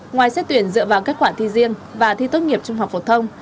ngoài xét tuyển dựa vào kết quả thi riêng và thi tốt nghiệp trung học phổ thông